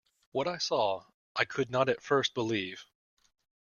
What I saw I could not at first believe.